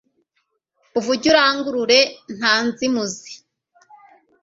uvuge urangurure nta nzimuzi